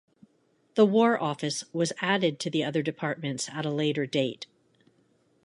The war office was added to the other departments at a later date.